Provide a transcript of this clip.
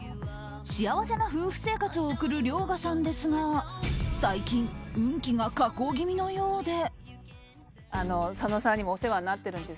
幸せな夫婦生活を送る遼河さんですが最近、運気が下降気味のようで。